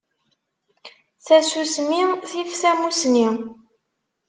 Tasusmi tif tamusni.